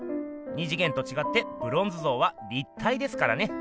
二次元とちがってブロンズ像は立体ですからね。